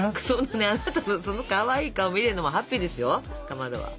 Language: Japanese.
あなたのそのかわいい顔見るのもハッピーですよかまどは。